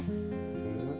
うん？